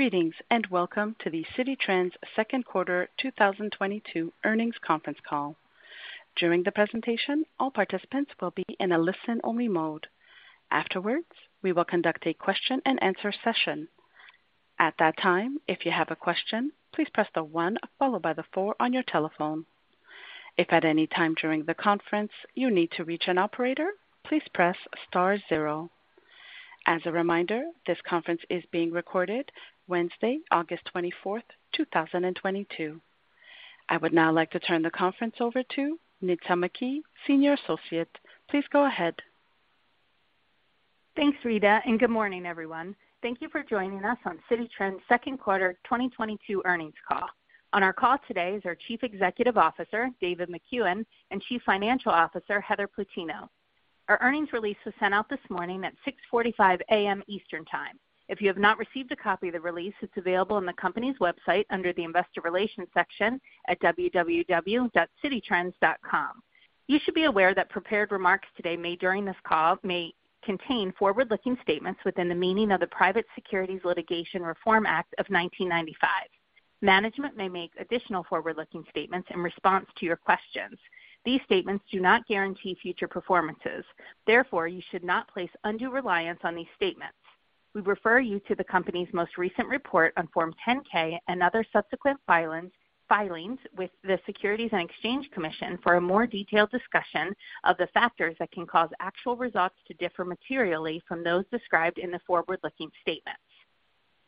Greetings, and welcome to the Citi Trends second quarter 2022 earnings conference call. During the presentation, all participants will be in a listen only mode. Afterwards, we will conduct a question and answer session. At that time, if you have a question, please press the one followed by the four on your telephone. If at any time during the conference you need to reach an operator, please press star zero. As a reminder, this conference is being recorded Wednesday, August 24, 2022. I would now like to turn the conference over to Nitza McKee, Senior Associate. Please go ahead. Thanks, Rita, and good morning, everyone. Thank you for joining us on Citi Trends second quarter 2022 earnings call. On our call today is our Chief Executive Officer, David Makuen, and Chief Financial Officer, Heather Plutino. Our earnings release was sent out this morning at 6:45 A.M. Eastern Time. If you have not received a copy of the release, it's available on the company's website under the Investor Relations section at www.cititrends.com. You should be aware that prepared remarks today made during this call may contain forward-looking statements within the meaning of the Private Securities Litigation Reform Act of 1995. Management may make additional forward-looking statements in response to your questions. These statements do not guarantee future performances, therefore you should not place undue reliance on these statements. We refer you to the company's most recent report on Form 10-K and other subsequent filings with the Securities and Exchange Commission for a more detailed discussion of the factors that can cause actual results to differ materially from those described in the forward-looking statements.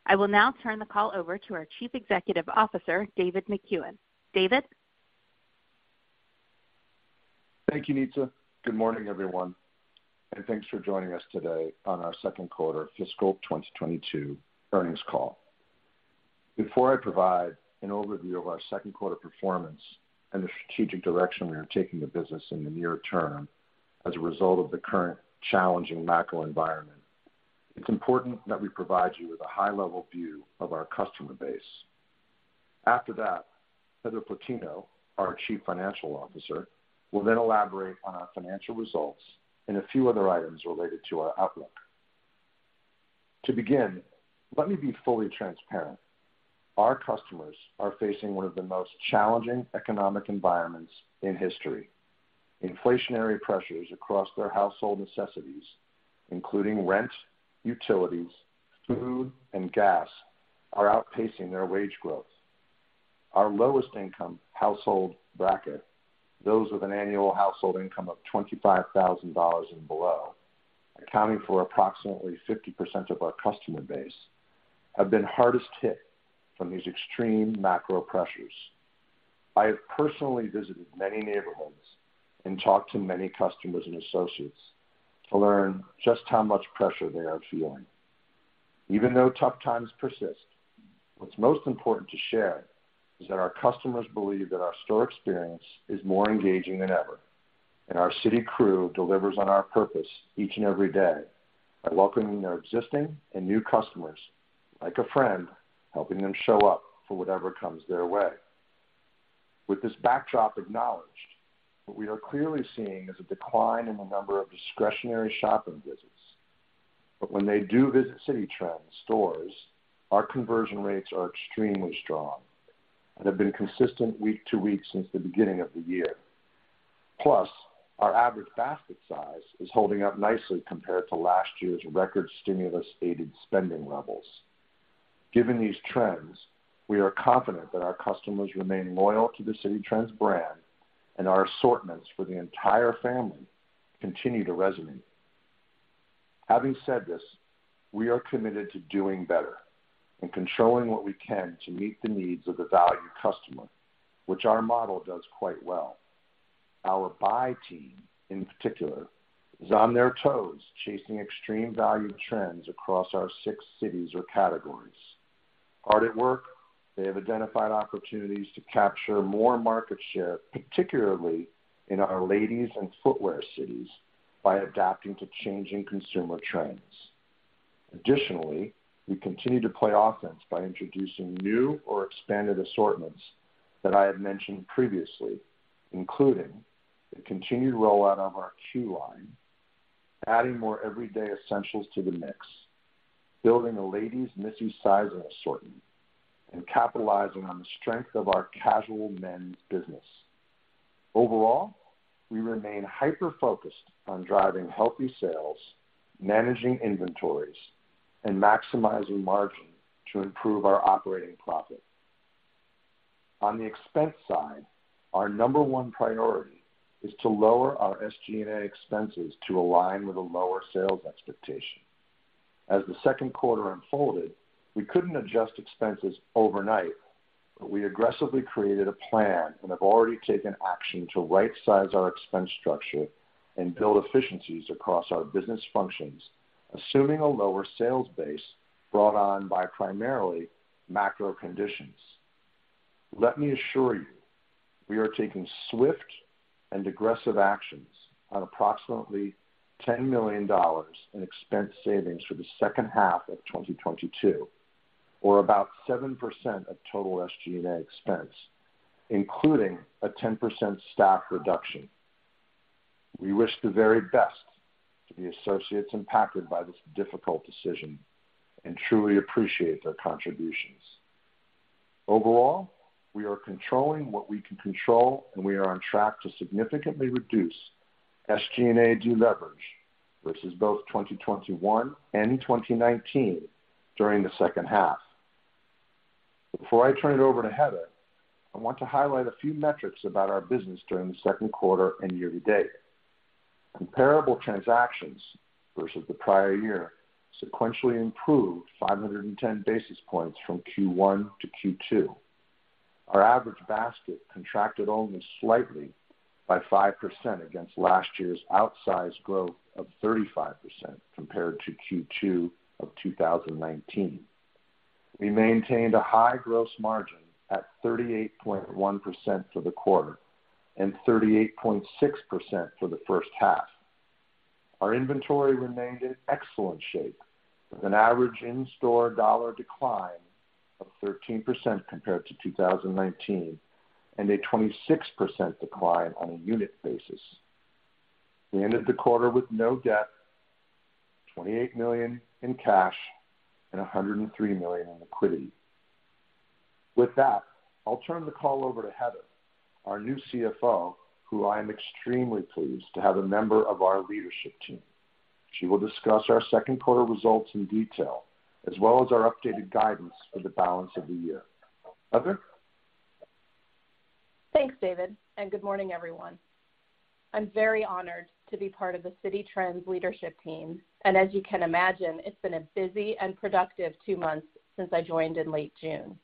I will now turn the call over to our Chief Executive Officer, David Makuen. David. Thank you, Nitza. Good morning, everyone, and thanks for joining us today on our second quarter fiscal 2022 earnings call. Before I provide an overview of our second quarter performance and the strategic direction we are taking the business in the near term as a result of the current challenging macro environment, it's important that we provide you with a high level view of our customer base. After that, Heather Plutino, our Chief Financial Officer, will then elaborate on our financial results and a few other items related to our outlook. To begin, let me be fully transparent. Our customers are facing one of the most challenging economic environments in history. Inflationary pressures across their household necessities, including rent, utilities, food, and gas, are outpacing their wage growth. Our lowest income household bracket, those with an annual household income of $25,000 and below, accounting for approximately 50% of our customer base, have been hardest hit from these extreme macro pressures. I have personally visited many neighborhoods and talked to many customers and associates to learn just how much pressure they are feeling. Even though tough times persist, what's most important to share is that our customers believe that our store experience is more engaging than ever, and our city crew delivers on our purpose each and every day by welcoming their existing and new customers like a friend, helping them show up for whatever comes their way. With this backdrop acknowledged, what we are clearly seeing is a decline in the number of discretionary shopping visits. when they do visit Citi Trends stores, our conversion rates are extremely strong and have been consistent week to week since the beginning of the year. Plus, our average basket size is holding up nicely compared to last year's record stimulus aided spending levels. Given these trends, we are confident that our customers remain loyal to the Citi Trends brand and our assortments for the entire family continue to resonate. Having said this, we are committed to doing better and controlling what we can to meet the needs of the value customer, which our model does quite well. Our buy team in particular, is on their toes chasing extreme value trends across our six cities or categories. Hard at work, they have identified opportunities to capture more market share, particularly in our ladies and footwear cities, by adapting to changing consumer trends. Additionally, we continue to play offense by introducing new or expanded assortments that I have mentioned previously, including the continued rollout of our Q line, adding more everyday essentials to the mix, building a ladies Missy sizing assortment, and capitalizing on the strength of our casual men's business. Overall, we remain hyper-focused on driving healthy sales, managing inventories, and maximizing margin to improve our operating profit. On the expense side, our number one priority is to lower our SG&A expenses to align with a lower sales expectation. As the second quarter unfolded, we couldn't adjust expenses overnight, but we aggressively created a plan and have already taken action to right size our expense structure and build efficiencies across our business functions, assuming a lower sales base brought on by primarily macro conditions. Let me assure you, we are taking swift and aggressive actions on approximately $10 million in expense savings for the second half of 2022, or about 7% of total SG&A expense, including a 10% staff reduction. We wish the very best to the associates impacted by this difficult decision and truly appreciate their contributions. Overall, we are controlling what we can control, and we are on track to significantly reduce SG&A deleverage versus both 2021 and 2019 during the second half. Before I turn it over to Heather, I want to highlight a few metrics about our business during the second quarter and year to date. Comparable transactions versus the prior year sequentially improved 510 basis points from Q1 to Q2. Our average basket contracted only slightly by 5% against last year's outsized growth of 35% compared to Q2 of 2019. We maintained a high gross margin at 38.1% for the quarter and 38.6% for the first half. Our inventory remained in excellent shape with an average in-store dollar decline of 13% compared to 2019 and a 26% decline on a unit basis. We ended the quarter with no debt, $28 million in cash, and $103 million in liquidity. With that, I'll turn the call over to Heather, our new CFO, who I am extremely pleased to have a member of our leadership team. She will discuss our second quarter results in detail, as well as our updated guidance for the balance of the year. Heather? Thanks, David, and good morning, everyone. I'm very honored to be part of the Citi Trends leadership team, and as you can imagine, it's been a busy and productive two months since I joined in late June.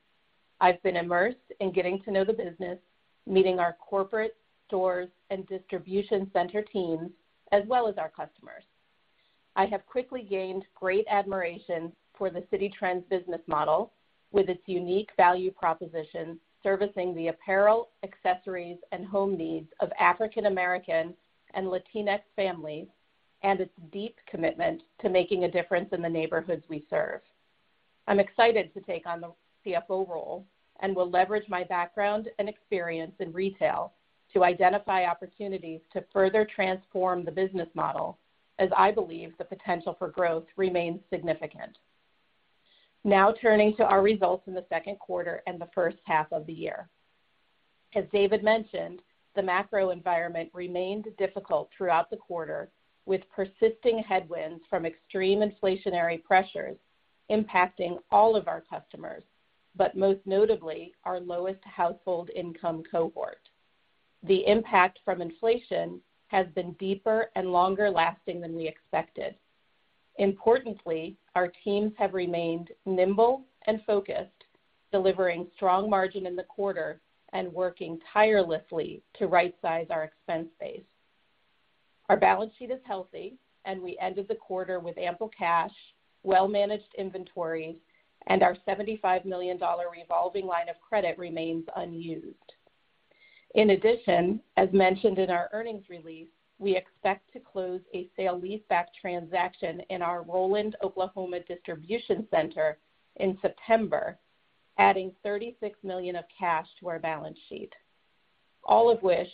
I've been immersed in getting to know the business, meeting our corporate, stores, and distribution center teams, as well as our customers. I have quickly gained great admiration for the Citi Trends business model with its unique value proposition servicing the apparel, accessories, and home needs of African American and Latinx families, and its deep commitment to making a difference in the neighborhoods we serve. I'm excited to take on the CFO role and will leverage my background and experience in retail to identify opportunities to further transform the business model as I believe the potential for growth remains significant. Now turning to our results in the second quarter and the first half of the year. As David mentioned, the macro environment remained difficult throughout the quarter with persisting headwinds from extreme inflationary pressures impacting all of our customers, but most notably our lowest household income cohort. The impact from inflation has been deeper and longer lasting than we expected. Importantly, our teams have remained nimble and focused, delivering strong margin in the quarter and working tirelessly to right size our expense base. Our balance sheet is healthy, and we ended the quarter with ample cash, well-managed inventory, and our $75 million revolving line of credit remains unused. In addition, as mentioned in our earnings release, we expect to close a sale leaseback transaction in our Roland, Oklahoma distribution center in September, adding $36 million of cash to our balance sheet. All of which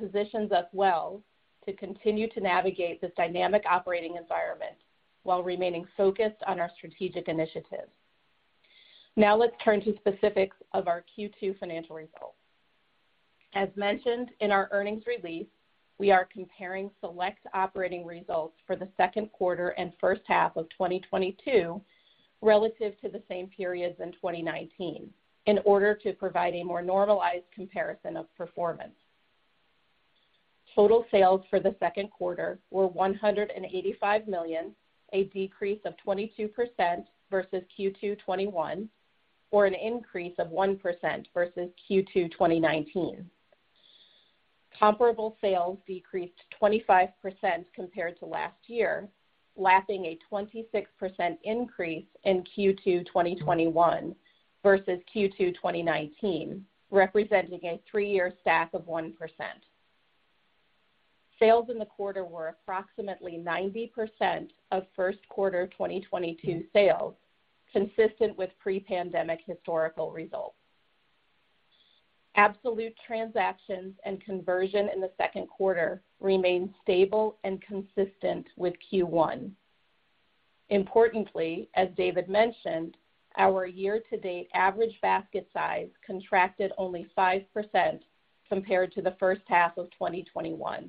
positions us well to continue to navigate this dynamic operating environment while remaining focused on our strategic initiatives. Now let's turn to specifics of our Q2 financial results. As mentioned in our earnings release, we are comparing select operating results for the second quarter and first half of 2022 relative to the same periods in 2019 in order to provide a more normalized comparison of performance. Total sales for the second quarter were $185 million, a decrease of 22% versus Q2 2021, or an increase of 1% versus Q2 2019. Comparable sales decreased 25% compared to last year, lapping a 26% increase in Q2 2021 versus Q2 2019, representing a three-year stack of 1%. Sales in the quarter were approximately 90% of first quarter 2022 sales, consistent with pre-pandemic historical results. Absolute transactions and conversion in the second quarter remained stable and consistent with Q1. Importantly, as David mentioned, our year-to-date average basket size contracted only 5% compared to the first half of 2021,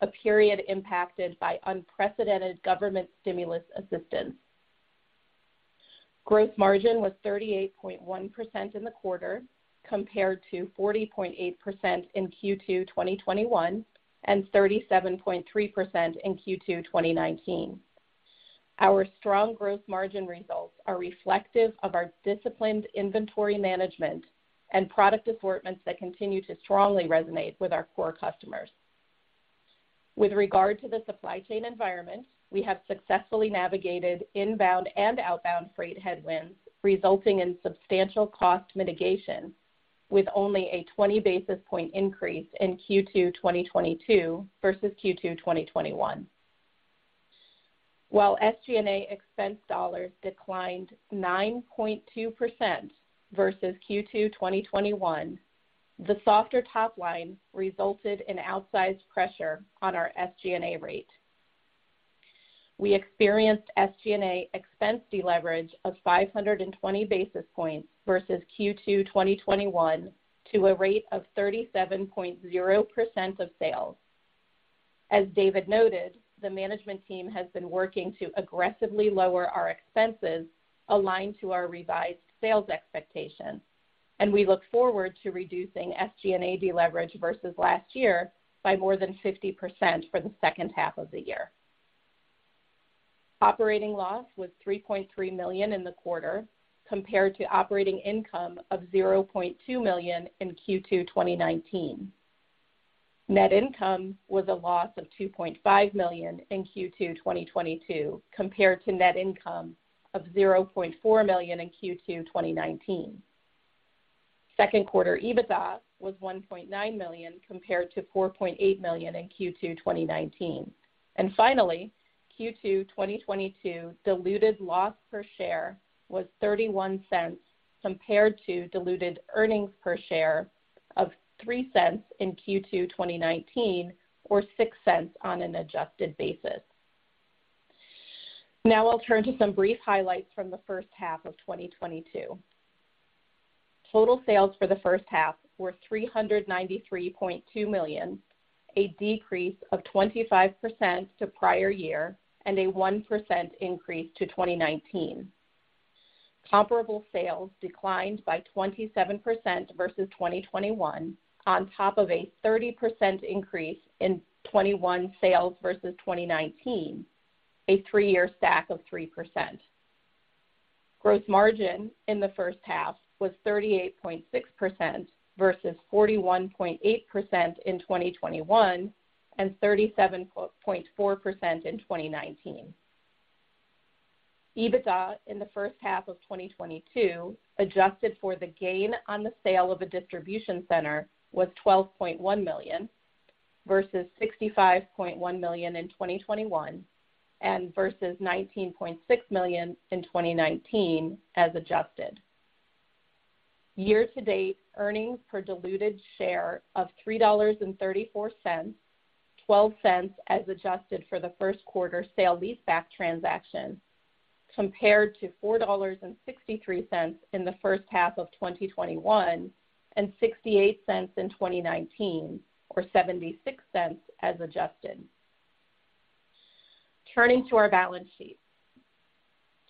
a period impacted by unprecedented government stimulus assistance. Gross margin was 38.1% in the quarter compared to 40.8% in Q2 2021 and 37.3% in Q2 2019. Our strong gross margin results are reflective of our disciplined inventory management and product assortments that continue to strongly resonate with our core customers. With regard to the supply chain environment, we have successfully navigated inbound and outbound freight headwinds, resulting in substantial cost mitigation with only a 20 basis point increase in Q2 2022 versus Q2 2021. While SG&A expense dollars declined 9.2% versus Q2 2021, the softer top line resulted in outsized pressure on our SG&A rate. We experienced SG&A expense deleverage of 520 basis points versus Q2 2021 to a rate of 37.0% of sales. As David noted, the management team has been working to aggressively lower our expenses aligned to our revised sales expectations, and we look forward to reducing SG&A deleverage versus last year by more than 50% for the second half of the year. Operating loss was $3.3 million in the quarter compared to operating income of $0.2 million in Q2 2019. Net income was a loss of $2.5 million in Q2 2022 compared to net income of $0.4 million in Q2 2019. Second quarter EBITDA was $1.9 million compared to $4.8 million in Q2 2019. Finally, Q2 2022 diluted loss per share was $0.31 compared to diluted earnings per share of $0.03 in Q2 2019, or $0.06 on an adjusted basis. Now I'll turn to some brief highlights from the first half of 2022. Total sales for the first half were $393.2 million, a decrease of 25% to prior year and a 1% increase to 2019. Comparable sales declined by 27% versus 2021 on top of a 30% increase in 2021 sales versus 2019, a three-year stack of 3%. Gross margin in the first half was 38.6% versus 41.8% in 2021, and 37.4% in 2019. EBITDA in the first half of 2022, adjusted for the gain on the sale of a distribution center, was $12.1 million versus $65.1 million in 2021 and versus $19.6 million in 2019 as adjusted. Year to date earnings per diluted share of $3.34, $0.12 as adjusted for the first quarter sale leaseback transaction, compared to $4.63 in the first half of 2021 and $0.68 in 2019, or $0.76 as adjusted. Turning to our balance sheet.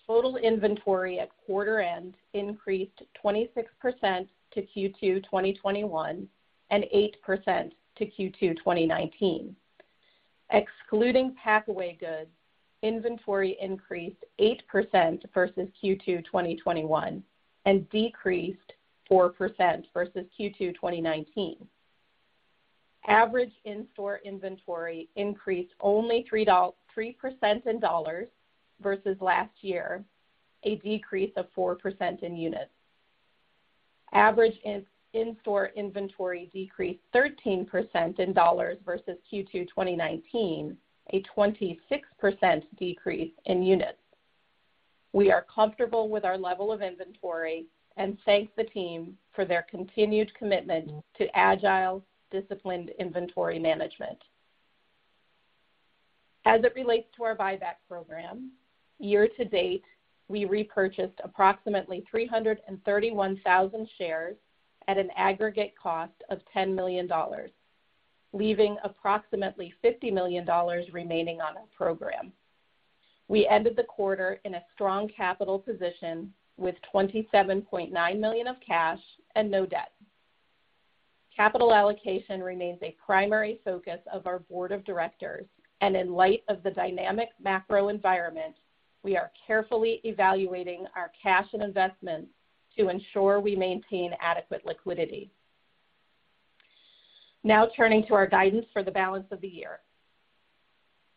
Total inventory at quarter end increased 26% to Q2 2021 and 8% to Q2 2019. Excluding Packaway Goods, inventory increased 8% versus Q2 2021 and decreased 4% versus Q2 2019. Average in-store inventory increased only 3% in dollars versus last year, a decrease of 4% in units. Average in-store inventory decreased 13% in dollars versus Q2 2019, a 26% decrease in units. We are comfortable with our level of inventory and thank the team for their continued commitment to agile, disciplined inventory management. As it relates to our buyback program, year to date, we repurchased approximately 331,000 shares at an aggregate cost of $10 million, leaving approximately $50 million remaining on our program. We ended the quarter in a strong capital position with 27.9 million of cash and no debt. Capital allocation remains a primary focus of our board of directors, and in light of the dynamic macro environment, we are carefully evaluating our cash and investments to ensure we maintain adequate liquidity. Now turning to our guidance for the balance of the year.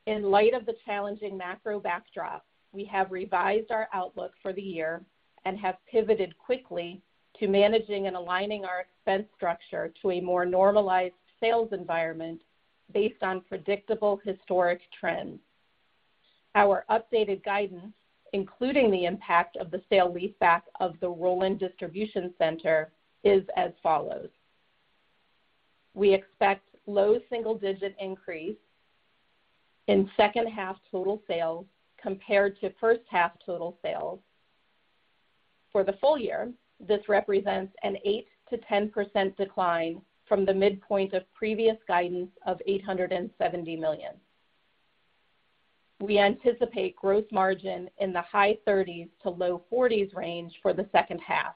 In light of the challenging macro backdrop, we have revised our outlook for the year and have pivoted quickly to managing and aligning our expense structure to a more normalized sales environment based on predictable historic trends. Our updated guidance, including the impact of the sale leaseback of the Roland distribution center, is as follows: We expect low single digit increase in second half total sales compared to first half total sales. For the full year, this represents an 8%-10% decline from the midpoint of previous guidance of $870 million. We anticipate growth margin in the high 30s% to low 40s% range for the second half.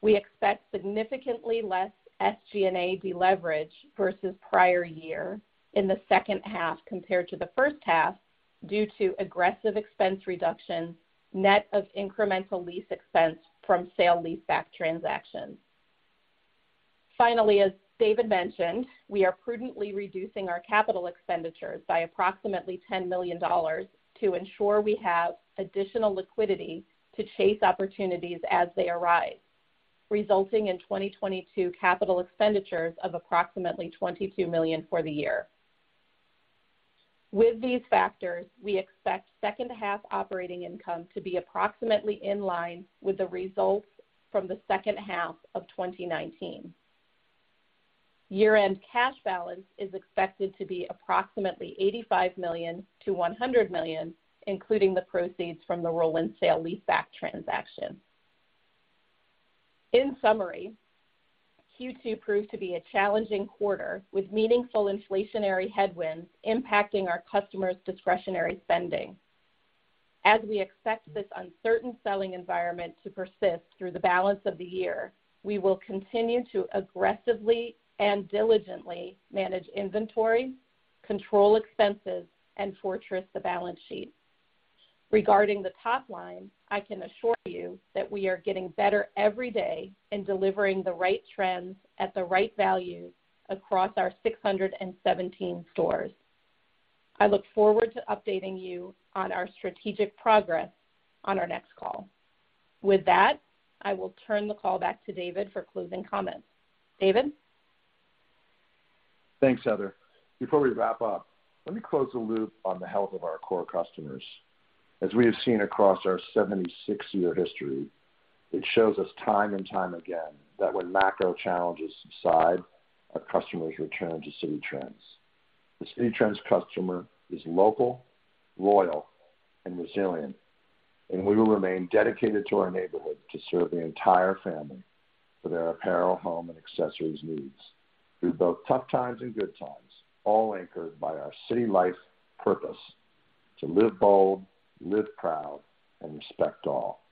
We expect significantly less SG&A deleverage versus prior year in the second half compared to the first half due to aggressive expense reductions, net of incremental lease expense from sale leaseback transactions. Finally, as David mentioned, we are prudently reducing our capital expenditures by approximately $10 million to ensure we have additional liquidity to chase opportunities as they arise. Resulting in 2022 capital expenditures of approximately $22 million for the year. With these factors, we expect second half operating income to be approximately in line with the results from the second half of 2019. Year-end cash balance is expected to be approximately $85 million-$100 million, including the proceeds from the Roland sale leaseback transaction. In summary, Q2 proved to be a challenging quarter, with meaningful inflationary headwinds impacting our customers' discretionary spending. We expect this uncertain selling environment to persist through the balance of the year. We will continue to aggressively and diligently manage inventory, control expenses, and fortress the balance sheet. Regarding the top line, I can assure you that we are getting better every day in delivering the right trends at the right value across our 617 stores. I look forward to updating you on our strategic progress on our next call. With that, I will turn the call back to David for closing comments. David? Thanks, Heather. Before we wrap up, let me close the loop on the health of our core customers. As we have seen across our 76-year history, it shows us time and time again that when macro challenges subside, our customers return to Citi Trends. The Citi Trends customer is local, loyal and resilient, and we will remain dedicated to our neighborhood to serve the entire family for their apparel, home, and accessories needs through both tough times and good times, all anchored by our city life purpose to live bold, live proud, and respect all.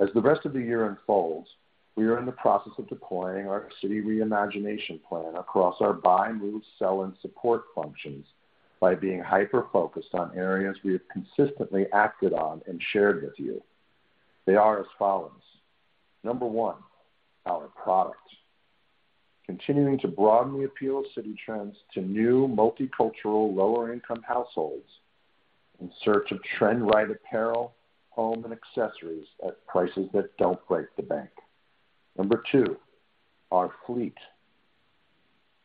As the rest of the year unfolds, we are in the process of deploying our city reimagination plan across our buy, move, sell, and support functions by being hyper-focused on areas we have consistently acted on and shared with you. They are as follows. Number one, our product. Continuing to broaden the appeal of Citi Trends to new multicultural, lower income households in search of trend right apparel, home and accessories at prices that don't break the bank. Number two, our fleet.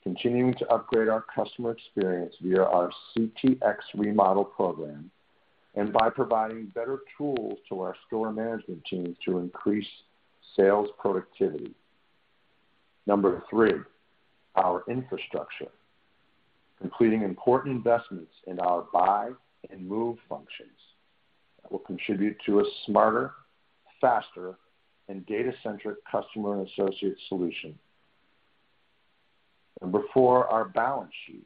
Continuing to upgrade our customer experience via our CTx remodel program and by providing better tools to our store management team to increase sales productivity. Number three, our infrastructure. Completing important investments in our buy and move functions that will contribute to a smarter, faster and data-centric customer and associate solution. Number four, our balance sheet.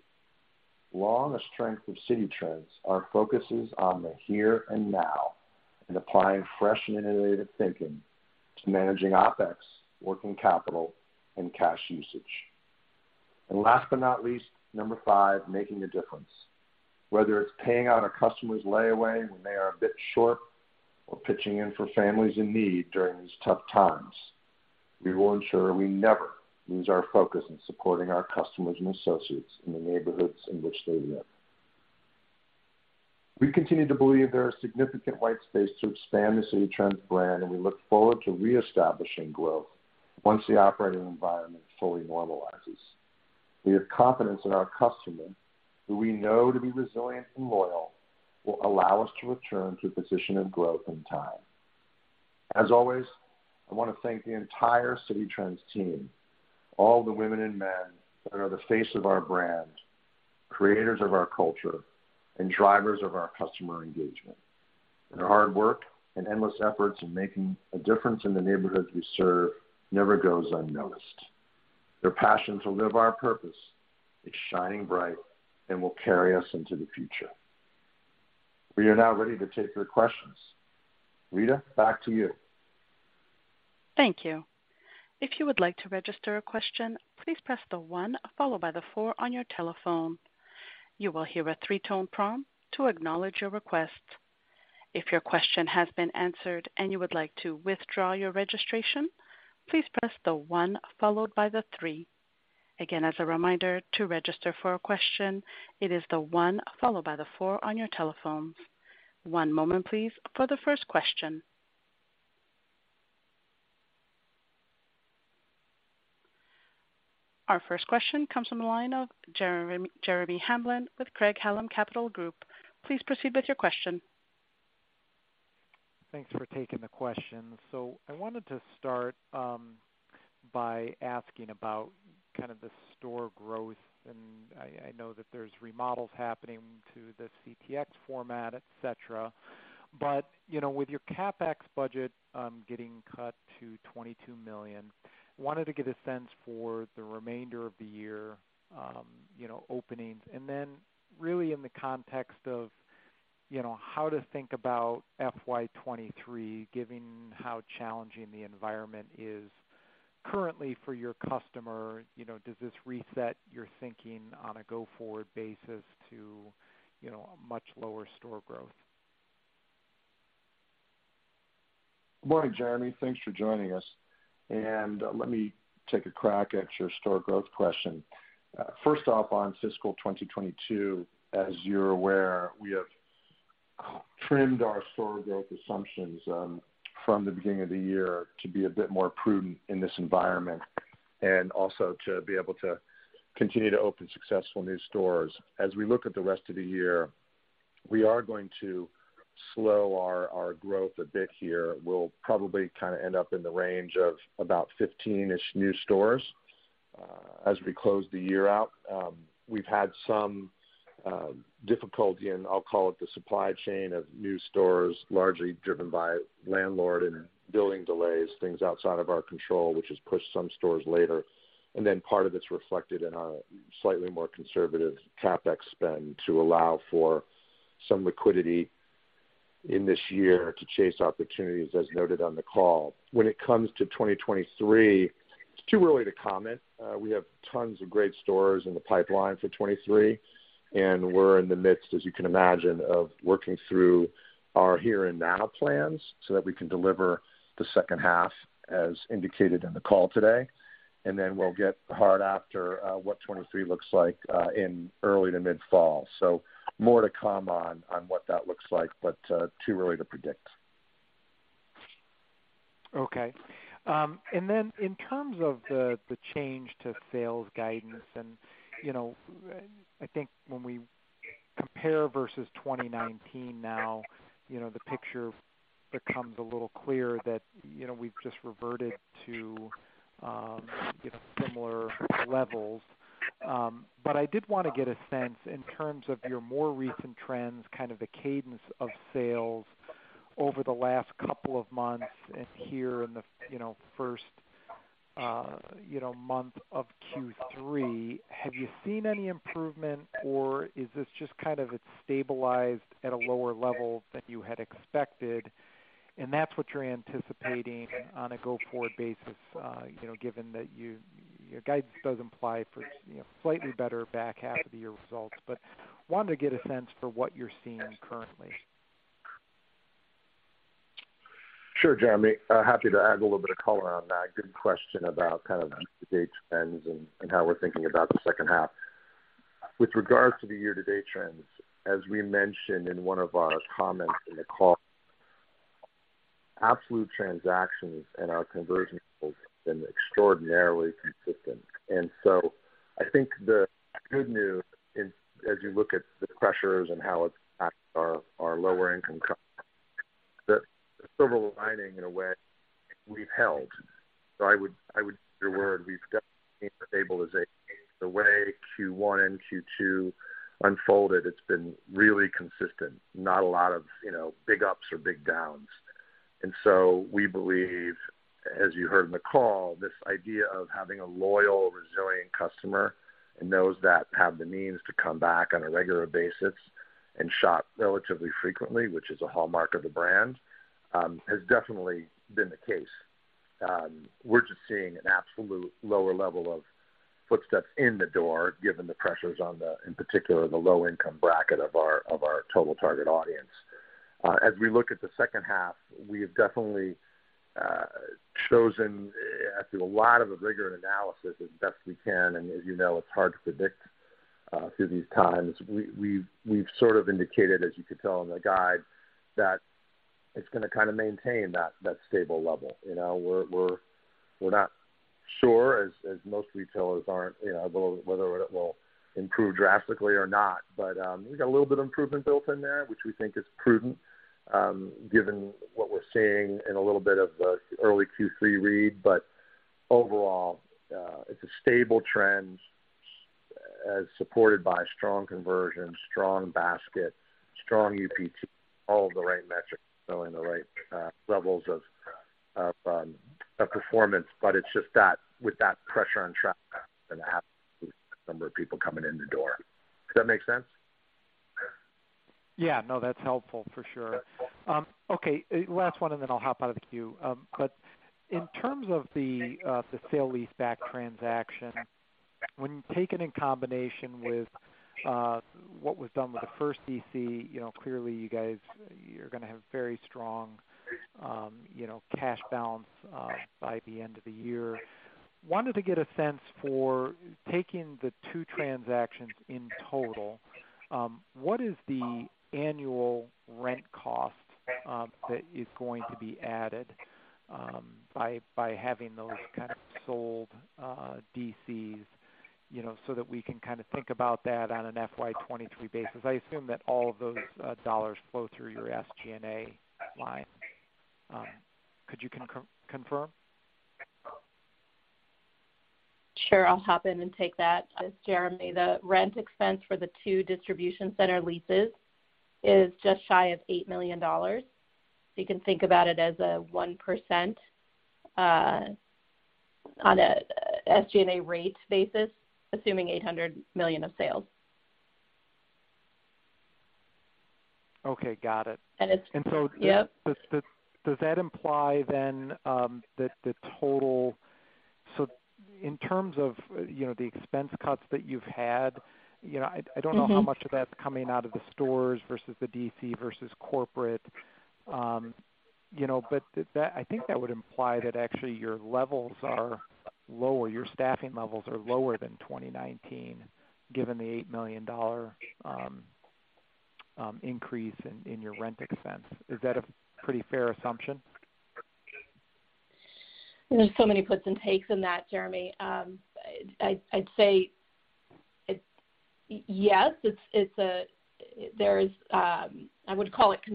Long a strength of Citi Trends, our focus is on the here and now and applying fresh and innovative thinking to managing Opex, working capital and cash usage. Last but not least, number five, making a difference. Whether it's paying out a customer's layaway when they are a bit short or pitching in for families in need during these tough times, we will ensure we never lose our focus in supporting our customers and associates in the neighborhoods in which they live. We continue to believe there is significant white space to expand the Citi Trends brand, and we look forward to reestablishing growth once the operating environment fully normalizes. We have confidence in our customers, who we know to be resilient and loyal, will allow us to return to a position of growth in time. As always, I want to thank the entire Citi Trends team, all the women and men that are the face of our brand, creators of our culture, and drivers of our customer engagement. Their hard work and endless efforts in making a difference in the neighborhoods we serve never goes unnoticed. Their passion to live our purpose is shining bright and will carry us into the future. We are now ready to take your questions. Rita, back to you. Thank you. If you would like to register a question, please press the one followed by the four on your telephone. You will hear a three-tone prompt to acknowledge your request. If your question has been answered and you would like to withdraw your registration, please press the one followed by the three. Again, as a reminder, to register for a question, it is the one followed by the four on your telephones. One moment, please, for the first question. Our first question comes from the line of Jeremy Hamblin with Craig-Hallum Capital Group. Please proceed with your question. Thanks for taking the question. I wanted to start by asking about kind of the store growth. I know that there's remodels happening to the CTx format, et cetera. You know, with your CapEx budget getting cut to $22 million, wanted to get a sense for the remainder of the year, you know, openings, and then really in the context of, you know, how to think about FY 2023, given how challenging the environment is currently for your customer. You know, does this reset your thinking on a go-forward basis to, you know, a much lower store growth? Good morning, Jeremy. Thanks for joining us. Let me take a crack at your store growth question. First off, on fiscal 2022, as you're aware, we have trimmed our store growth assumptions from the beginning of the year to be a bit more prudent in this environment, and also to be able to continue to open successful new stores. As we look at the rest of the year, we are going to slow our growth a bit here. We'll probably kinda end up in the range of about 15-ish new stores as we close the year out. We've had some difficulty in, I'll call it, the supply chain of new stores, largely driven by landlord and building delays, things outside of our control, which has pushed some stores later. Part of it's reflected in our slightly more conservative CapEx spend to allow for some liquidity in this year to chase opportunities, as noted on the call. When it comes to 2023, it's too early to comment. We have tons of great stores in the pipeline for 2023, and we're in the midst, as you can imagine, of working through our here-and-now plans so that we can deliver the second half as indicated in the call today. We'll get hard after what 2023 looks like in early to mid-fall. More to come on what that looks like, but too early to predict. Okay. In terms of the change to sales guidance and, you know, I think when we compare versus 2019 now, you know, the picture becomes a little clear that, you know, we've just reverted to, you know, similar levels. But I did wanna get a sense in terms of your more recent trends, kind of the cadence of sales over the last couple of months and here in the, you know, first, you know, month of Q3. Have you seen any improvement, or is this just kind of it's stabilized at a lower level than you had expected, and that's what you're anticipating on a go-forward basis, you know, given that your guidance does imply for, you know, slightly better back half of the year results. Wanted to get a sense for what you're seeing currently. Sure, Jeremy. Happy to add a little bit of color on that. Good question about kind of the year-to-date trends and how we're thinking about the second half. With regards to the year-to-date trends, as we mentioned in one of our comments in the call, absolute transactions and our conversion rates have been extraordinarily consistent. I think the good news is as you look at the pressures and how it's impacted our lower income customers, the silver lining in a way we've held. I would use your word, we've definitely seen a stabilization. The way Q1 and Q2 unfolded, it's been really consistent, not a lot of, you know, big ups or big downs. We believe, as you heard in the call, this idea of having a loyal, resilient customer and those that have the means to come back on a regular basis and shop relatively frequently, which is a hallmark of the brand, has definitely been the case. We're just seeing an absolute lower level of footsteps in the door given the pressures on the, in particular, the low income bracket of our total target audience. As we look at the second half, we have definitely chosen after a lot of rigorous analysis as best we can, and as you know, it's hard to predict through these times. We've sort of indicated, as you could tell in the guide, that it's gonna kinda maintain that stable level. You know, we're not sure as most retailers aren't, you know, whether it will improve drastically or not. We got a little bit of improvement built in there, which we think is prudent, given what we're seeing in a little bit of the early Q3 read. Overall, it's a stable trend as supported by strong conversion, strong basket, strong UPT, all of the right metrics showing the right levels of performance. It's just that with that pressure on traffic and absolutely the number of people coming in the door. Does that make sense? Yeah. No, that's helpful for sure. Okay, last one, and then I'll hop out of the queue. In terms of the sale-leaseback transaction, when taken in combination with what was done with the first DC, you know, clearly you guys, you're gonna have very strong, you know, cash balance by the end of the year. Wanted to get a sense for taking the two transactions in total, what is the annual rent cost that is going to be added by having those kind of sold DCs? You know, so that we can kinda think about that on an FY 2023 basis. I assume that all of those dollars flow through your SG&A line. Could you confirm? Sure. I'll hop in and take that. As Jeremy, the rent expense for the two distribution center leases is just shy of $8 million. You can think about it as a 1% on a SG&A rate basis, assuming $800 million of sales. Okay, got it. It's And so- Yep. Does that imply then, in terms of, you know, the expense cuts that you've had, you know, I don't know how much of that's coming out of the stores versus the DC versus corporate. You know, but I think that would imply that actually your levels are lower, your staffing levels are lower than 2019, given the $8 million increase in your rent expense. Is that a pretty fair assumption? There's so many puts and takes in that, Jeremy. I'd say it's yes, it's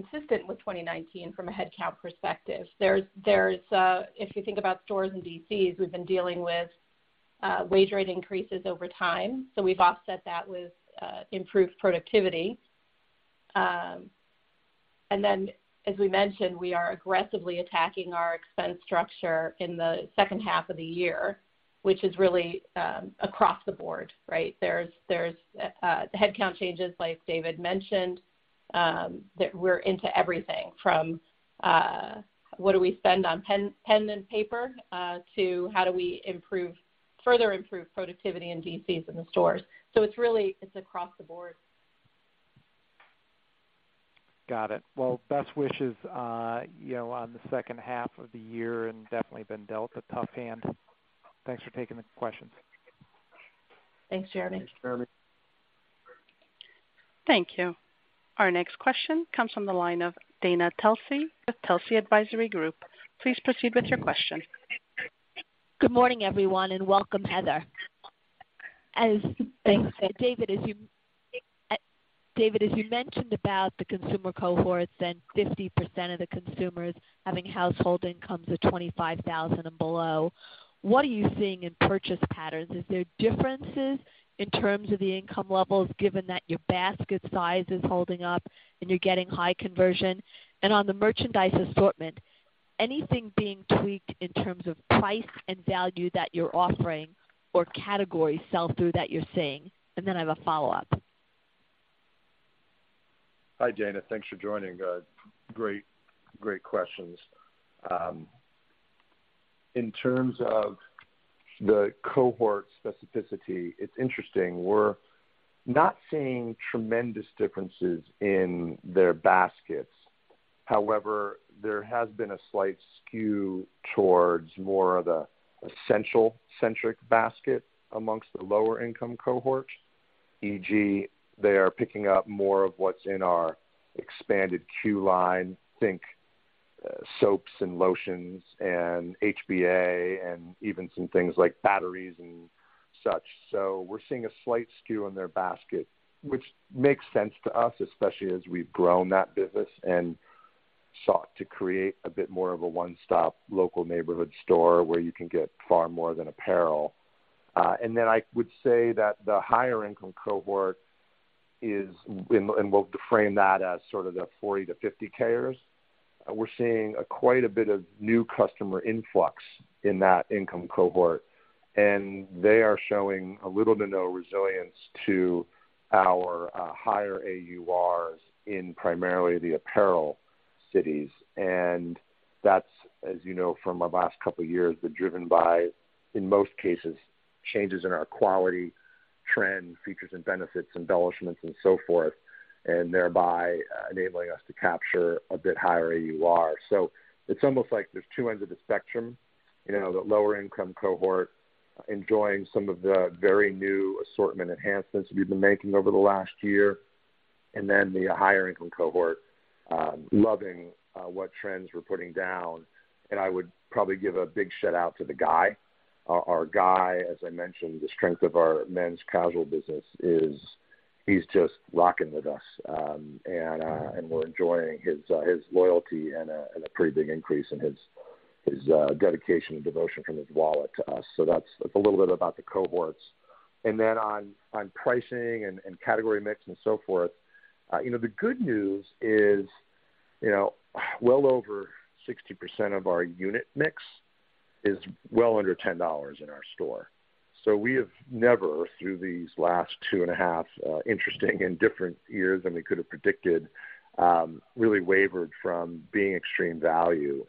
consistent with 2019 from a headcount perspective. If you think about stores and DCs, we've been dealing with wage rate increases over time, so we've offset that with improved productivity. As we mentioned, we are aggressively attacking our expense structure in the second half of the year, which is really across the board, right? The headcount changes like David mentioned, that we're into everything from what do we spend on pen and paper to how do we further improve productivity in DCs in the stores. It's really across the board. Got it. Well, best wishes, you know, on the second half of the year and definitely been dealt a tough hand. Thanks for taking the questions. Thanks, Jeremy. Thanks, Jeremy. Thank you. Our next question comes from the line of Dana Telsey with Telsey Advisory Group. Please proceed with your question. Good morning, everyone, and welcome, Heather. Thanks. David, as you mentioned about the consumer cohorts and 50% of the consumers having household incomes of $25,000 and below, what are you seeing in purchase patterns? Is there differences in terms of the income levels given that your basket size is holding up and you're getting high conversion? On the merchandise assortment, anything being tweaked in terms of price and value that you're offering or category sell-through that you're seeing? Then I have a follow-up. Hi, Dana. Thanks for joining. Great questions. In terms of the cohort specificity, it's interesting. We're not seeing tremendous differences in their baskets. However, there has been a slight skew towards more of the essential centric basket amongst the lower income cohort, e.g., they are picking up more of what's in our expanded Q line, think, soaps and lotions and HBA and even some things like batteries and such. We're seeing a slight skew in their basket, which makes sense to us, especially as we've grown that business and sought to create a bit more of a one-stop local neighborhood store where you can get far more than apparel. I would say that the higher income cohort is. We'll frame that as sort of the 40-50 carriers. We're seeing quite a bit of new customer influx in that income cohort, and they are showing a little to no resilience to our higher AURs in primarily the apparel cities. That's, as you know from our last couple of years, been driven by, in most cases, changes in our quality, trend, features and benefits, embellishments and so forth, and thereby enabling us to capture a bit higher AUR. It's almost like there's two ends of the spectrum, you know, the lower income cohort enjoying some of the very new assortment enhancements we've been making over the last year, and then the higher income cohort loving what trends we're putting down. I would probably give a big shout out to the guy. Our guy, as I mentioned, the strength of our men's casual business is he's just rocking with us, and we're enjoying his loyalty and a pretty big increase in his dedication and devotion from his wallet to us. That's a little bit about the cohorts. On pricing and category mix and so forth, you know, the good news is, you know, well over 60% of our unit mix is well under $10 in our store. We have never, through these last 2.5 interesting and different years than we could have predicted, really wavered from being extreme value.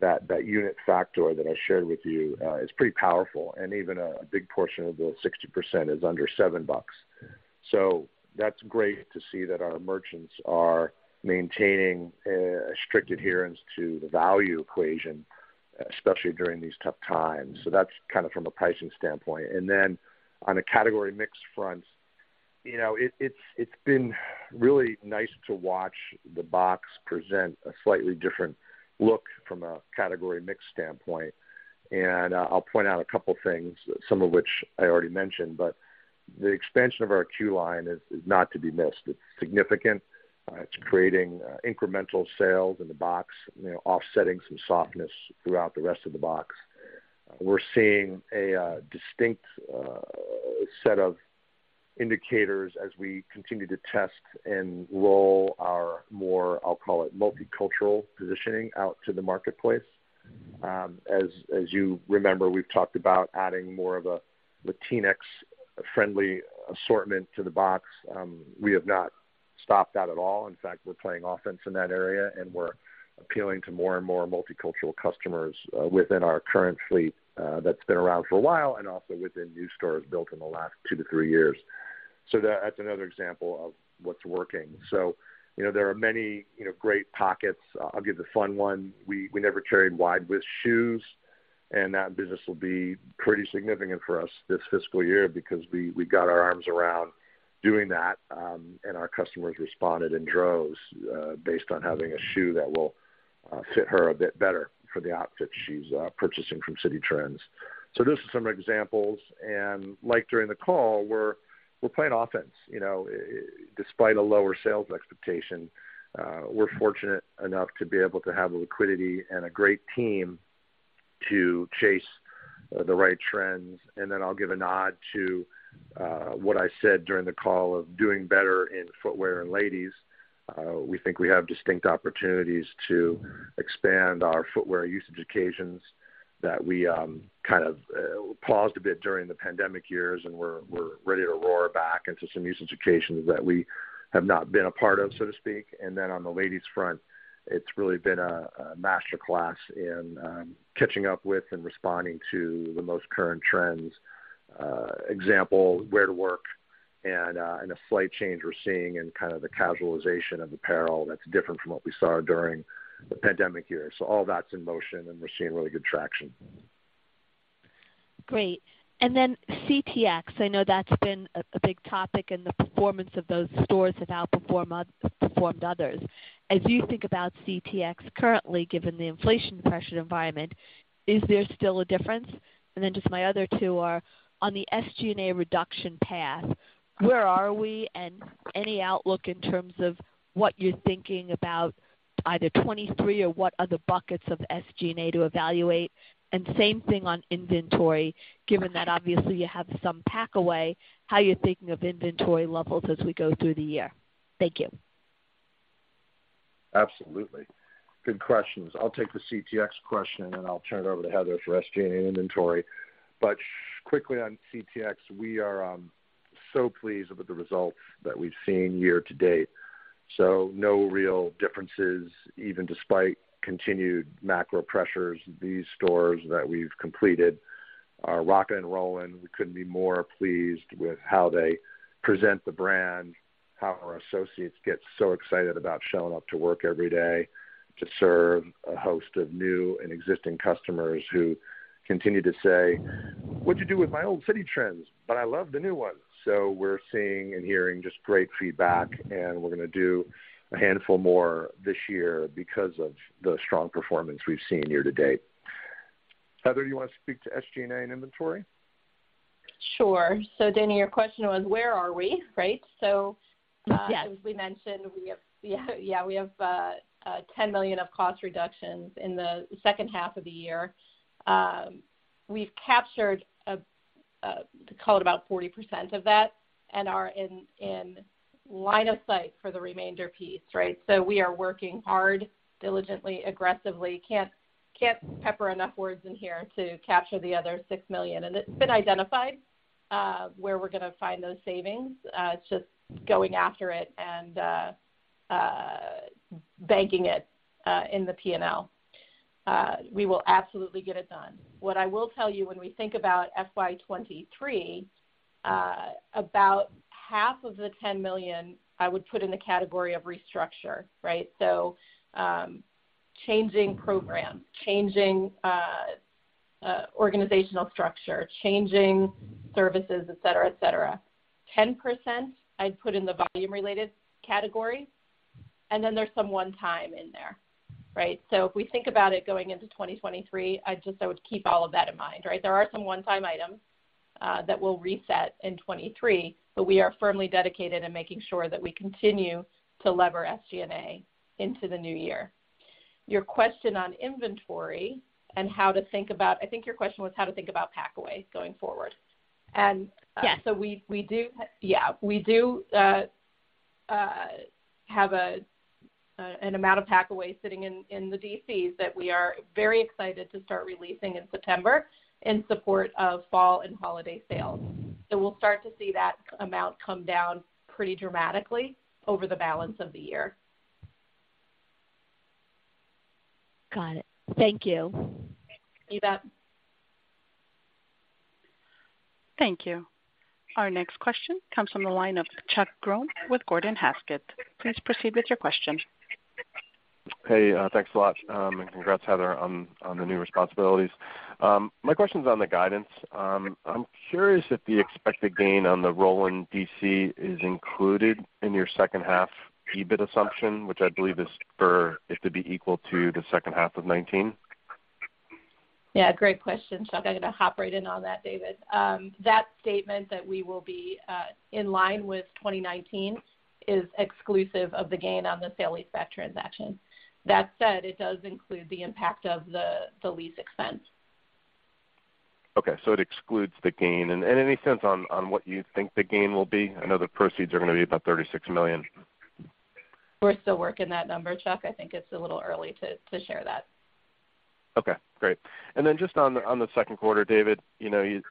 That unit factor that I shared with you is pretty powerful, and even a big portion of the 60% is under $7. That's great to see that our merchants are maintaining a strict adherence to the value equation, especially during these tough times. That's kind of from a pricing standpoint. Then on a category mix front, you know, it's been really nice to watch the box present a slightly different look from a category mix standpoint. I'll point out a couple things, some of which I already mentioned, but the expansion of our Q line is not to be missed. It's significant. It's creating incremental sales in the box, you know, offsetting some softness throughout the rest of the box. We're seeing a distinct set of indicators as we continue to test and roll our more, I'll call it, multicultural positioning out to the marketplace. As you remember, we've talked about adding more of a Latinx friendly assortment to the box. We have not stopped that at all. In fact, we're playing offense in that area, and we're appealing to more and more multicultural customers within our current fleet that's been around for a while and also within new stores built in the last two to 3 years. That's another example of what's working. You know, there are many, you know, great pockets. I'll give a fun one. We never carried wide width shoes, and that business will be pretty significant for us this fiscal year because we got our arms around doing that, and our customers responded in droves based on having a shoe that will fit her a bit better for the outfit she's purchasing from Citi Trends. Those are some examples. Like during the call, we're playing offense, you know. Despite a lower sales expectation, we're fortunate enough to be able to have the liquidity and a great team to chase the right trends. Then I'll give a nod to what I said during the call of doing better in footwear and ladies. We think we have distinct opportunities to expand our footwear usage occasions that we kind of paused a bit during the pandemic years, and we're ready to roar back into some usage occasions that we have not been a part of, so to speak. Then on the ladies front, it's really been a master class in catching up with and responding to the most current trends. For example, wear to work and a slight change we're seeing in kind of the casualization of apparel that's different from what we saw during the pandemic years. All that's in motion, and we're seeing really good traction. Great. Then CTx, I know that's been a big topic, and the performance of those stores have performed others. As you think about CTx currently, given the inflation pressure environment, is there still a difference? Then just my other two are, on the SG&A reduction path, where are we? Any outlook in terms of what you're thinking about either 2023 or what other buckets of SG&A to evaluate? Same thing on inventory, given that obviously you have some Packaway, how you're thinking of inventory levels as we go through the year. Thank you. Absolutely. Good questions. I'll take the CTx question, and then I'll turn it over to Heather for SG&A inventory. Quickly on CTx, we are so pleased with the results that we've seen year to date. No real differences. Even despite continued macro pressures, these stores that we've completed are rocking and rolling. We couldn't be more pleased with how they present the brand, how our associates get so excited about showing up to work every day to serve a host of new and existing customers who continue to say, "What'd you do with my old Citi Trends? But I love the new one." We're seeing and hearing just great feedback, and we're gonna do a handful more this year because of the strong performance we've seen year to date. Heather, do you wanna speak to SG&A and inventory? Sure. Dana, your question was where are we, right? Yes As we mentioned, we have a $10 million of cost reductions in the second half of the year. We've captured, call it about 40% of that and are in line of sight for the remainder piece, right? We are working hard, diligently, aggressively. Can't pepper enough words in here to capture the other $6 million. It's been identified where we're gonna find those savings, just going after it and banking it in the P&L. We will absolutely get it done. What I will tell you when we think about FY 2023, about half of the $10 million I would put in the category of restructure, right? Changing programs, changing organizational structure, changing services, et cetera, et cetera. 10% I'd put in the volume related category, and then there's some one-time in there, right? If we think about it going into 2023, I would keep all of that in mind, right? There are some one-time items that will reset in 2023, but we are firmly dedicated to making sure that we continue to leverage SG&A into the new year. Your question on inventory and how to think about pack away going forward. I think your question was how to think about pack away going forward. Yes We do have an amount of Packaway sitting in the DCs that we are very excited to start releasing in September in support of fall and holiday sales. We'll start to see that amount come down pretty dramatically over the balance of the year. Got it. Thank you. You bet. Thank you. Our next question comes from the line of Chuck Grom with Gordon Haskett. Please proceed with your question. Hey, thanks a lot. Congrats, Heather, on the new responsibilities. My question's on the guidance. I'm curious if the expected gain on the Roland DC is included in your second half EBIT assumption, which I believe is for it to be equal to the second half of 2019. Yeah. Great question, Chuck. I'm gonna hop right in on that, David. That statement that we will be in line with 2019 is exclusive of the gain on the sale-leaseback transaction. That said, it does include the impact of the lease expense. Okay. It excludes the gain. Any sense on what you think the gain will be? I know the proceeds are gonna be about $36 million. We're still working that number, Chuck. I think it's a little early to share that. Okay. Great. Then just on the second quarter, David, you know, you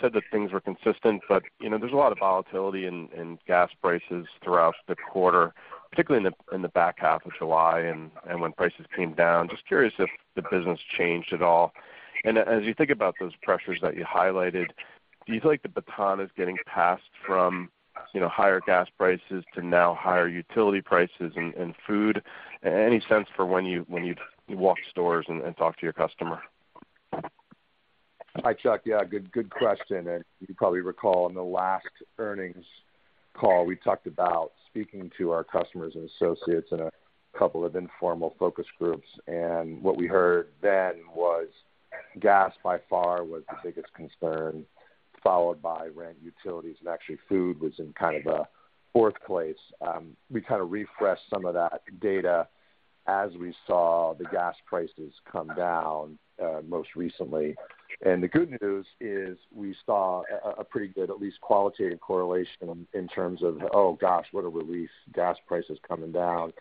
said that things were consistent, but, you know, there's a lot of volatility in gas prices throughout the quarter, particularly in the back half of July and when prices came down. Just curious if the business changed at all. As you think about those pressures that you highlighted. Do you feel like the baton is getting passed from, you know, higher gas prices to now higher utility prices and food? Any sense for when you walk stores and talk to your customer? Hi, Chuck. Yeah, good question. As you can probably recall, in the last earnings call, we talked about speaking to our customers and associates in a couple of informal focus groups. What we heard then was gas by far was the biggest concern, followed by rent, utilities, and actually food was in kind of a fourth place. We kind of refreshed some of that data as we saw the gas prices come down most recently. The good news is we saw a pretty good, at least qualitative correlation in terms of, "Oh, gosh, what a relief, gas prices coming down,"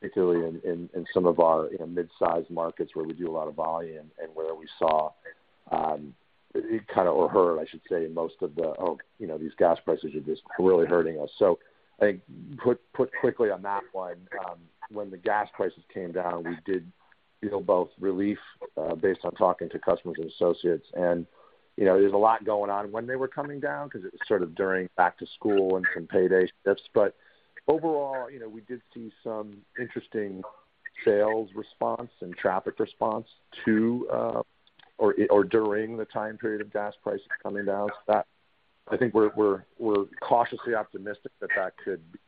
particularly in some of our, you know, midsize markets where we do a lot of volume and where we saw it kind of. We heard, I should say, most of the, "Oh, you know, these gas prices are just really hurting us." I think to put it quickly on that one, when the gas prices came down, we did feel both relief based on talking to customers and associates. You know, there's a lot going on when they were coming down because it was sort of during back to school and some payday shifts. Overall, you know, we did see some interesting sales response and traffic response to or during the time period of gas prices coming down. I think we're cautiously optimistic that that could be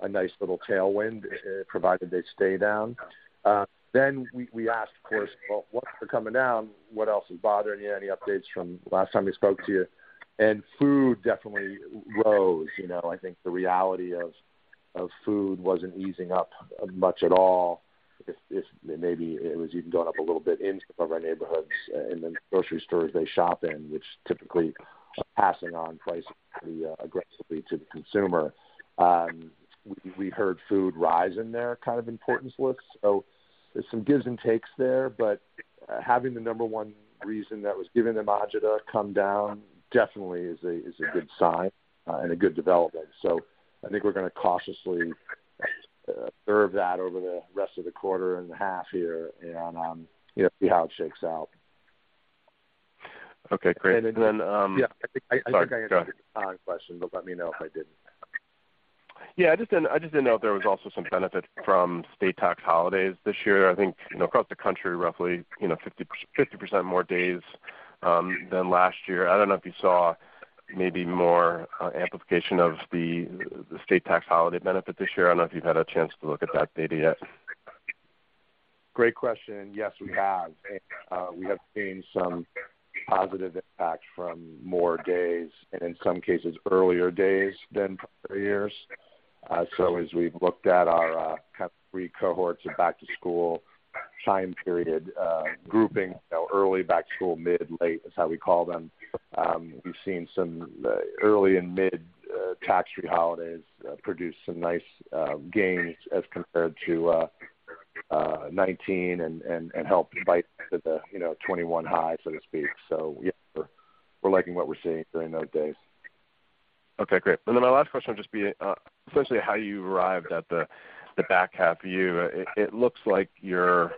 a nice little tailwind provided they stay down. Then we asked, of course, "Well, what if they're coming down? What else is bothering you? Any updates from last time we spoke to you? Food definitely rose. You know, I think the reality of food wasn't easing up much at all. If maybe it was even going up a little bit in some of our neighborhoods and then grocery stores they shop in, which typically are passing on price pretty aggressively to the consumer. We heard food rise in their kind of importance list. So there's some gives and takes there, but having the number one reason that was giving them agita come down definitely is a good sign, and a good development. So I think we're gonna cautiously observe that over the rest of the quarter and the half year and, you know, see how it shakes out. Okay, great. Yeah. I think I answered. Sorry. Go ahead. All your questions, but let me know if I didn't. Yeah, I just didn't know if there was also some benefit from state tax holidays this year. I think, you know, across the country, roughly, you know, 50% more days than last year. I don't know if you saw maybe more amplification of the state tax holiday benefit this year. I don't know if you've had a chance to look at that data yet. Great question. Yes, we have. We have seen some positive impact from more days and in some cases earlier days than prior years. As we've looked at our kind of pre-cohorts of back-to-school time period grouping, you know, early back to school, mid, late is how we call them. We've seen some early and mid tax-free holidays produce some nice gains as compared to 2019 and help fight the 2021 high, so to speak. Yeah, we're liking what we're seeing during those days. Okay, great. My last question will just be essentially how you arrived at the back half view. It looks like you're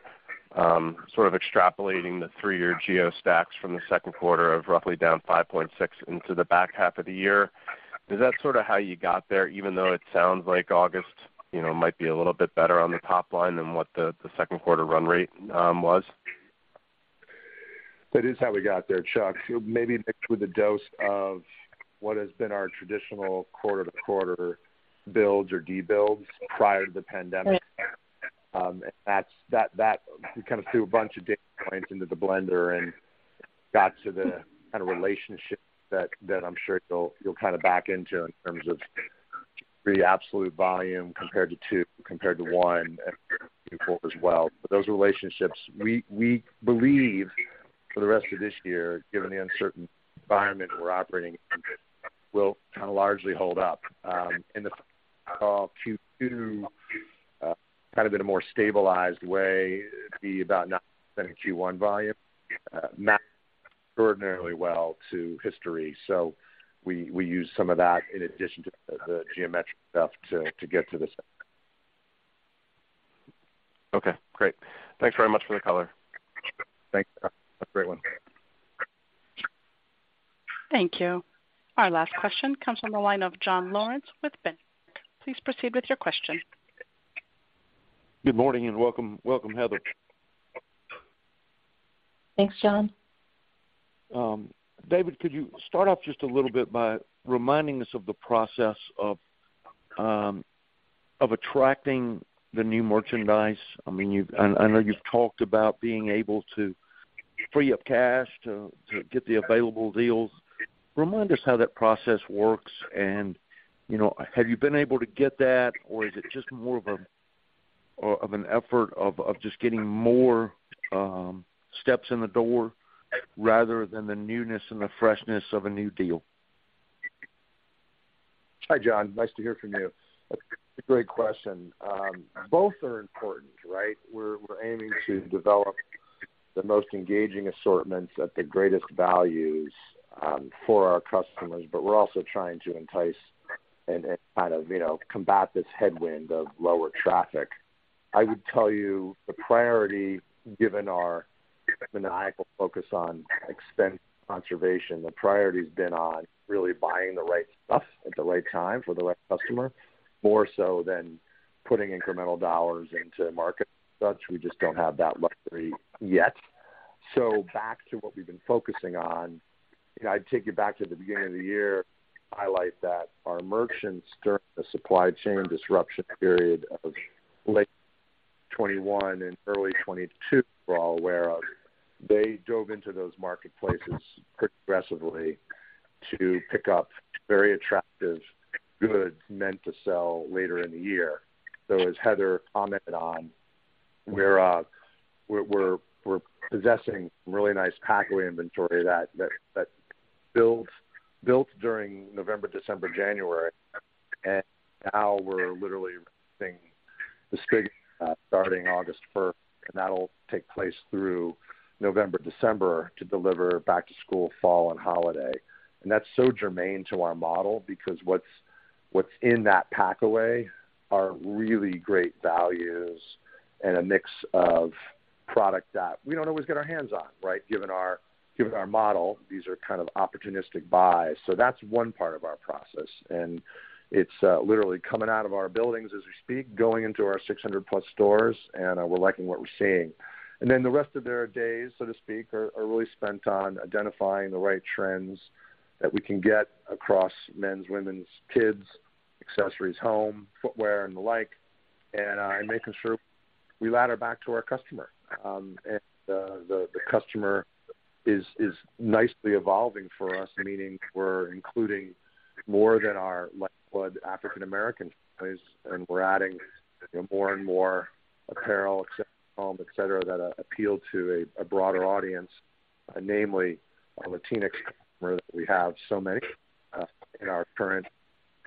sort of extrapolating the three-year comp stack from the second quarter of roughly down 5.6% into the back half of the year. Is that sort of how you got there, even though it sounds like August, you know, might be a little bit better on the top line than what the second quarter run rate was? That is how we got there, Chuck. Maybe mixed with a dose of what has been our traditional quarter-to-quarter builds or debuilds prior to the pandemic. That we kind of threw a bunch of data points into the blender and got to the kind of relationship that I'm sure you'll kind of back into in terms of three absolute volume compared to two, compared to one and before as well. Those relationships we believe for the rest of this year, given the uncertain environment we're operating in, will kind of largely hold up. In the call Q2, kind of in a more stabilized way, it'd be about not sending Q1 volume extraordinarily well to history. We use some of that in addition to the geometric stuff to get to this. Okay, great. Thanks very much for the color. Thanks, Chuck. Have a great one. Thank you. Our last question comes from the line of John Lawrence with BofA. Please proceed with your question. Good morning and welcome, Heather. Thanks, John. David, could you start off just a little bit by reminding us of the process of attracting the new merchandise? I mean, you've talked about being able to free up cash to get the available deals. Remind us how that process works and have you been able to get that or is it just more of an effort of just getting more steps in the door rather than the newness and the freshness of a new deal? Hi, John. Nice to hear from you. That's a great question. Both are important, right? We're aiming to develop the most engaging assortments at the greatest values for our customers, but we're also trying to entice and kind of, you know, combat this headwind of lower traffic. I would tell you the priority, given our maniacal focus on expense conservation, the priority's been on really buying the right stuff at the right time for the right customer, more so than putting incremental dollars into marketing and such. We just don't have that luxury yet. Back to what we've been focusing on, you know, I'd take you back to the beginning of the year, highlight that our merchants during the supply chain disruption period of late 2021 and early 2022, we're all aware of, they dove into those marketplaces progressively to pick up very attractive goods meant to sell later in the year. As Heather commented on, we're possessing really nice Packaway inventory that built during November, December, January, and now we're literally seeing the starting August first, and that'll take place through November, December to deliver back to school, fall, and holiday. That's so germane to our model because what's in that Packaway are really great values and a mix of product that we don't always get our hands on, right? Given our model, these are kind of opportunistic buys. That's one part of our process, and it's literally coming out of our buildings as we speak, going into our 600+ stores, and we're liking what we're seeing. Then the rest of their days, so to speak, are really spent on identifying the right trends that we can get across men's, women's, kids, accessories, home, footwear and the like, and making sure we ladder back to our customer. The customer is nicely evolving for us, meaning we're including more than our lifeblood African American customers, and we're adding more and more apparel, accessories, home, et cetera, that appeal to a broader audience, namely our Latinx customers that we have so many of in our current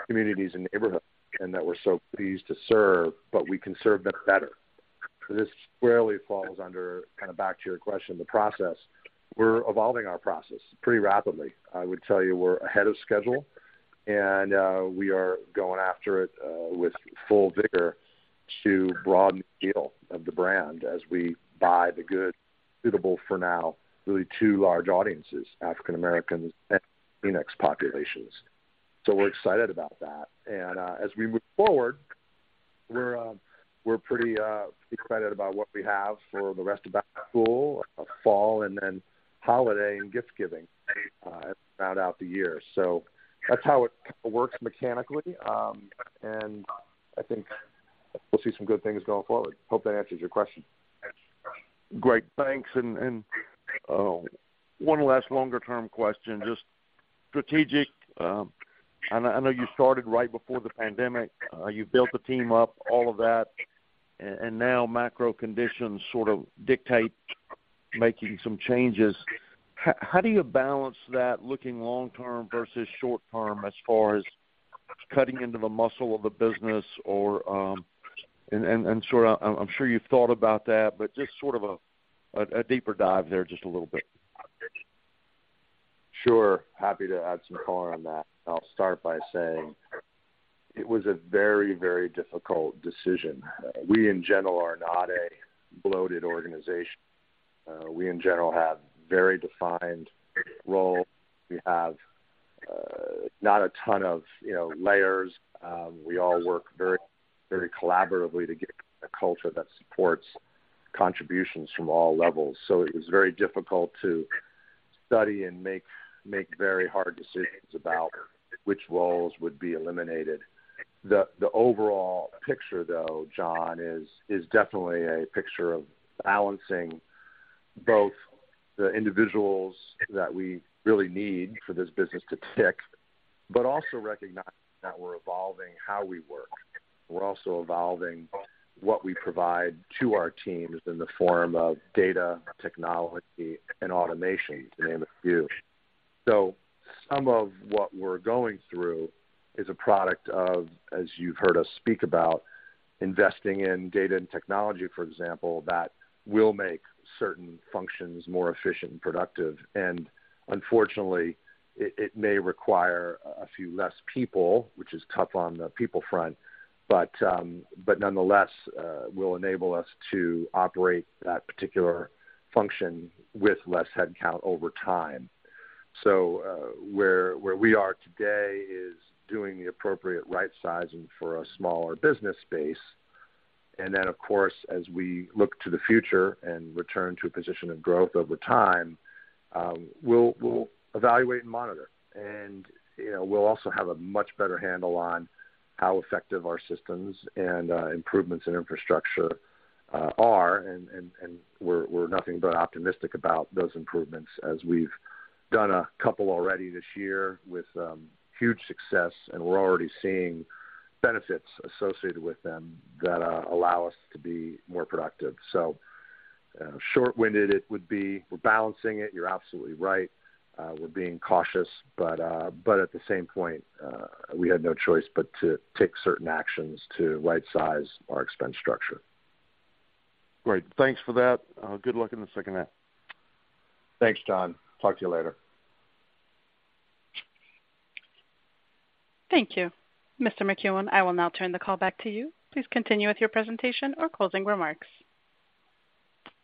communities and neighborhoods, and that we're so pleased to serve, but we can serve them better. This squarely falls under, kind of back to your question, the process. We're evolving our process pretty rapidly. I would tell you we're ahead of schedule, and we are going after it with full vigor to broaden the appeal of the brand as we buy the goods suitable for now, really two large audiences, African Americans and Latinx populations. We're excited about that. As we move forward, we're pretty excited about what we have for the rest of back to school, fall, and then holiday and gift giving throughout the year. That's how it kind of works mechanically, and I think we'll see some good things going forward. Hope that answers your question. Great. Thanks. One last longer-term question, just strategic. I know you started right before the pandemic. You built the team up, all of that, and now macro conditions sort of dictate making some changes. How do you balance that looking long term versus short term as far as cutting into the muscle of the business. I'm sure you've thought about that, but just sort of a deeper dive there just a little bit. Sure. Happy to add some color on that. I'll start by saying it was a very, very difficult decision. We in general are not a bloated organization. We in general have very defined roles. We have not a ton of, you know, layers. We all work very, very collaboratively to get a culture that supports contributions from all levels. It was very difficult to study and make very hard decisions about which roles would be eliminated. The overall picture though, John, is definitely a picture of balancing both the individuals that we really need for this business to tick, but also recognizing that we're evolving how we work. We're also evolving what we provide to our teams in the form of data, technology, and automation, to name a few. Some of what we're going through is a product of, as you've heard us speak about, investing in data and technology, for example, that will make certain functions more efficient and productive. Unfortunately, it may require a few less people, which is tough on the people front, but nonetheless, will enable us to operate that particular function with less headcount over time. Where we are today is doing the appropriate right sizing for a smaller business space. Then of course, as we look to the future and return to a position of growth over time, we'll evaluate and monitor. You know, we'll also have a much better handle on how effective our systems and improvements in infrastructure are. We're nothing but optimistic about those improvements as we've done a couple already this year with huge success. We're already seeing benefits associated with them that allow us to be more productive. Short-winded it would be, we're balancing it. You're absolutely right. We're being cautious, but at the same point, we had no choice but to take certain actions to right-size our expense structure. Great. Thanks for that. Good luck in the second half. Thanks, John. Talk to you later. Thank you. Mr. Makuen, I will now turn the call back to you. Please continue with your presentation or closing remarks.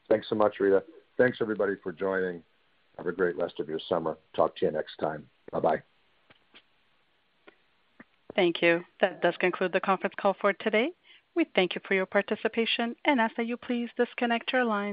Thanks so much, Rita. Thanks everybody for joining. Have a great rest of your summer. Talk to you next time. Bye-bye. Thank you. That does conclude the conference call for today. We thank you for your participation and ask that you please disconnect your line.